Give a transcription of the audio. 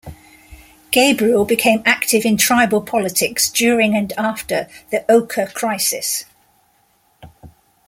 Gabriel became active in tribal politics during and after the Oka crisis.